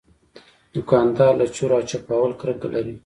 دوکاندار له چور او چپاول کرکه لري.